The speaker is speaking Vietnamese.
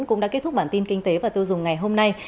cũng đã kết thúc bản tin kinh tế và tiêu dùng ngày hôm nay